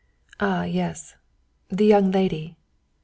"Ah, yes the young lady.